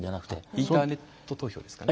インターネット投票ですかね？